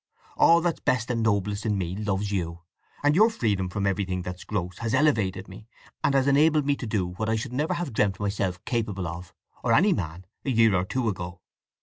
All that's best and noblest in me loves you, and your freedom from everything that's gross has elevated me, and enabled me to do what I should never have dreamt myself capable of, or any man, a year or two ago.